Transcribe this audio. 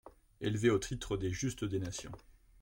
Élevé au titre des Juste des Nations.